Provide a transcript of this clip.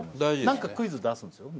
何かクイズ出すんすよ